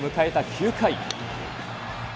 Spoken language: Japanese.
９回。